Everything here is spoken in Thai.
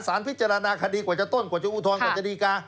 พิจารณาคดีกว่าจะต้นกว่าจะอุทธรณกว่าจะดีกา